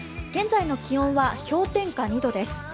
現在の気温は氷点下２度です。